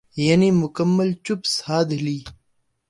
یعنی مکمل چپ سادھ لی۔